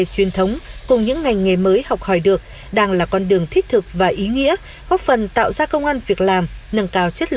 truyền hình nhân dân số bảy mươi một hàng chống hoàn kiếm hà nội